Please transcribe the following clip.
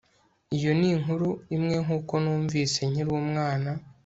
Iyo ni inkuru imwe nkuko numvise nkiri umwana